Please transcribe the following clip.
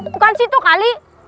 bukan situ kali